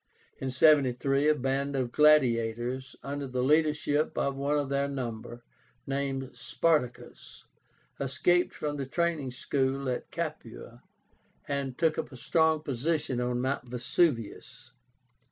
In 73 a band of gladiators, under the leadership of one of their number, named SPARTACUS escaped from the training school at Capua and took up a strong position on Mount Vesuvius.